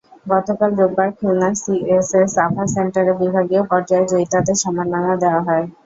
গতকাল রোববার খুলনার সিএসএস আভা সেন্টারে বিভাগীয় পর্যায়ে জয়িতাদের সম্মাননা দেওয়া হয়।